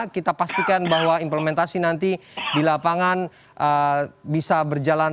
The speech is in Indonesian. kita pastikan bahwa implementasi nanti di lapangan bisa berjalan